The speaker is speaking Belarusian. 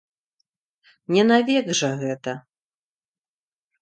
Не навек жа гэта.